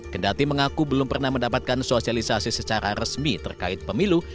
kendati mengaku belum pernah mendapatkan sosialisasi secara resmi terkait pemilu